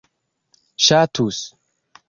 ŝatus